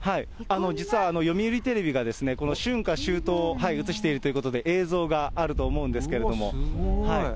実は、読売テレビがこの春夏秋冬を映しているということで、映像があると思うんですけれども。